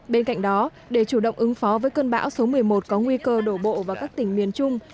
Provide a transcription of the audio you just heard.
bên cạnh đó để chủ động ứng phó với cơn bão số một mươi một có nguy cơ đổ bộ vào các tỉnh miền trung